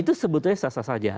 itu sebetulnya sasa saja